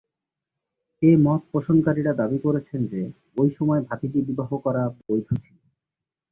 এ মত পোষণকারীরা দাবি করেছেন যে, ঐ সময় ভাতিজী বিবাহ করা বৈধ ছিল।